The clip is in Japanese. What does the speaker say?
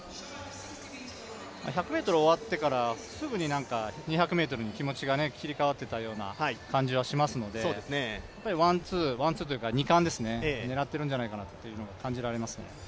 １００ｍ終わってからすぐに２００ｍに気持ちが切り替わっていたような気がしますので、２冠を狙ってるんじゃないかというのを感じますね。